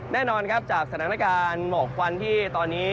แน่นอนครับจากสถานการณ์หมอกควันที่ตอนนี้